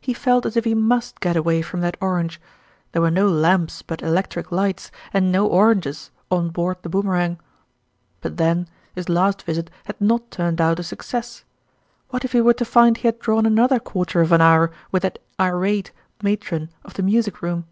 He felt as if he must get away from that orange : there were no lamps but electric lights, and no oranges, on board the Boomerang. But then, his last visit had not turned out a success : what if he were to find he had drawn another quarter of an hour with that irate ma tron of the music room